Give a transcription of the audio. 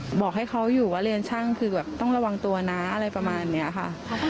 บอกให้เขาอยู่ว่าเรียนช่างคือแบบต้องระวังตัวนะอะไรประมาณนี้ค่ะ